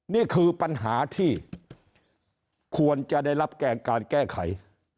นี่คือปัญหาที่ควรจะได้รับการแก้ไข